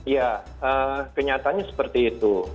ya kenyataannya seperti itu